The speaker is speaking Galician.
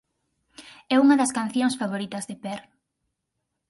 É unha das cancións favoritas de Per.